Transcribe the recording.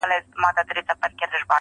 ځي تر اباسینه د کونړ د یکه زار څپې-